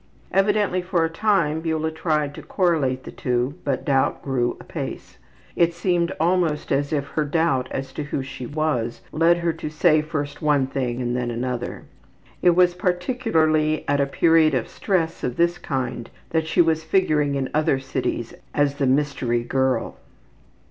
Evidently for a time Beula tried to correlate the two, but doubt grew apace. It seemed almost as if her doubt as to who she was led her to say first one thing and then another. It was particularly at a period of stress of this kind that she was figuring in other cities as the ``mystery girl.''